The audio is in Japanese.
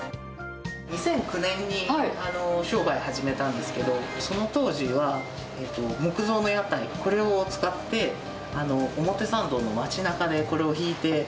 ２００９年に商売始めたんですけど、その当時は木造の屋台、これを使って、表参道の街なかでこれを引いて。